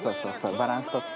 バランス取って。